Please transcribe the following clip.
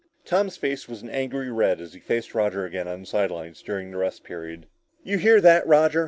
Tom's face was an angry red as he faced Roger again on the side lines during the rest period. "You hear that, Roger?"